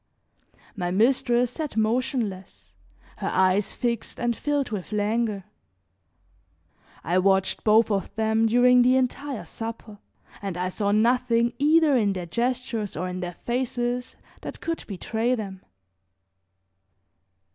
My mistress sat motionless, her eyes fixed and filled with languor. I watched both of them during the entire supper and I saw nothing either in their gestures or in their faces that could betray them.